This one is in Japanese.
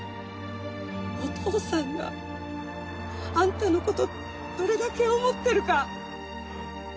お父さんがあんたのことどれだけ思ってるか。